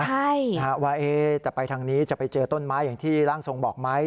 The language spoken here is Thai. ใช่นะฮะว่าจะไปทางนี้จะไปเจอต้นไม้อย่างที่ร่างทรงบอกไหม